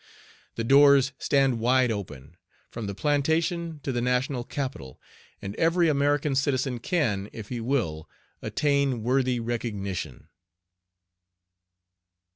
The doors stand wide open, from the plantation to the National Capitol, and every American citizen can, if he will, attain worthy recognition."